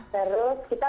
terus kita buka